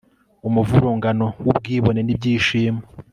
Umuvurungano wubwibone nibyishimo